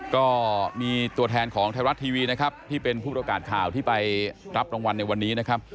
ก็มีตัวแทนของไทยรัฐทีวีนะครับที่เป็นผู้ประกาศข่าวที่ไปรับรางวัลในวันนี้นะครับ